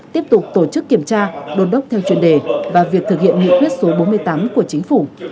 tiếp tục tổ chức kiểm tra đồn đốc theo chuyên đề và việc thực hiện nghị quyết số bốn mươi tám của chính phủ